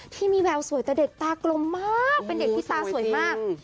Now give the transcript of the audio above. ที่มีแววสวยแต่เด็กตากลมมากเป็นเด็กที่ตาสวยมาก